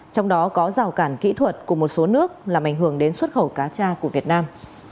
trong đó có rào cản kỹ thuật của một số nước làm ảnh hưởng đến xuất khẩu cá cha của việt nam